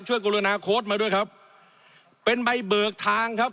กรุณาโค้ดมาด้วยครับเป็นใบเบิกทางครับ